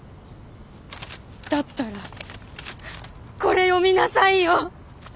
だったらこれ読みなさいよ。